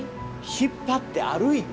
引っ張って歩いて？